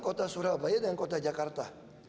kota surabaya dengan kota jakarta